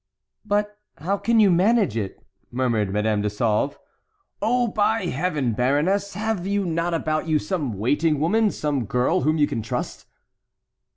"But how can you manage it?" murmured Madame de Sauve. "Oh! by Heaven! baroness, have you not about you some waiting woman, some girl whom you can trust?"